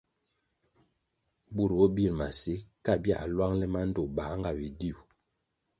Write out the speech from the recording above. Bur bo bir masi, ka bia lwang le mandtoh bā nga bidiu.